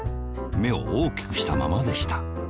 めをおおきくしたままでした。